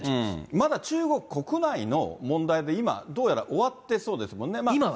まだ、中国国内の問題で、今、どうやら終わってそうですもんね。